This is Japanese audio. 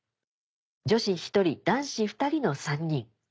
女子１人男子２人の３人。